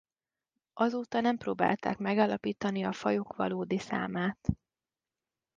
Azóta nem próbálták megállapítani a fajok valódi számát.